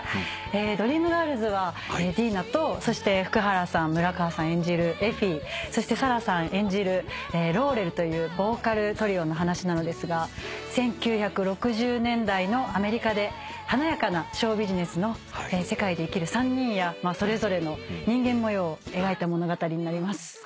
『ドリームガールズ』はディーナとそして福原さん村川さん演じるエフィそしてｓａｒａさん演じるローレルというボーカルトリオの話なのですが１９６０年代のアメリカで華やかなショービジネスの世界で生きる３人やそれぞれの人間模様を描いた物語になります。